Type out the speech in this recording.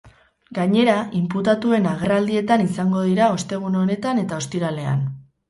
Gainera, inputatuen agerraldietan izango dira ostegun honetan eta ostiralean.